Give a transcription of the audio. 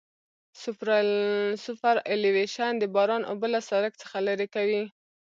سوپرایلیویشن د باران اوبه له سرک څخه لرې کوي